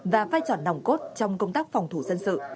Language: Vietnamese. và vai trò nòng cốt trong công tác phòng thủ dân sự